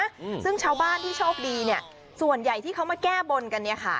อืมซึ่งชาวบ้านที่โชคดีเนี้ยส่วนใหญ่ที่เขามาแก้บนกันเนี้ยค่ะ